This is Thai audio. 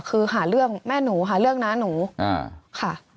คือหาเรื่องแม่หนูหาเรื่องน้าหนูค่ะ